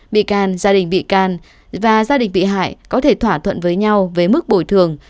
bị can gia đình bị can và gia đình bị hại có thể thỏa thuận với nhau về mức bồi thường